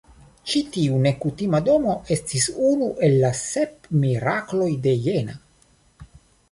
Ĉi-tiu nekutima domo estis unu el la "Sep Mirakloj de Jena".